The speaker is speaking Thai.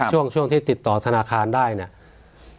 ช่วงช่วงที่ติดต่อธนาคารได้เนี่ย